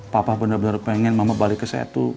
papa benar benar pengen mama balik ke setu